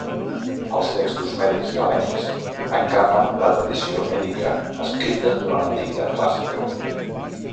Els textos mèdics galènics encarnen la tradició mèdica escrita durant l'antiguitat clàssica.